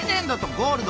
ゴールド！